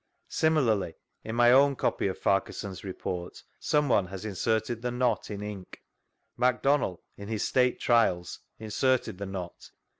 Similarly, in my own copy of Farquharson's Report, someone has inserted the " not " in inlc McDonndl, in his " State Trials," inserted the " not."